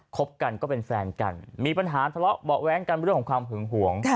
บกันก็เป็นแฟนกันมีปัญหาทะเลาะเบาะแว้งกันเรื่องของความหึงหวง